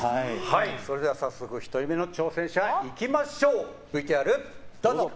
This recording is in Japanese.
早速、１人目の挑戦者いきましょう。